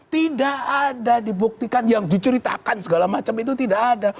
tidak ada dibuktikan yang diceritakan segala macam itu tidak ada